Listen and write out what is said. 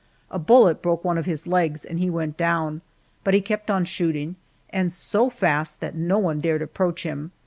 A bullet broke one of his legs, and he went down, but he kept on shooting and so fast that no one dared approach him.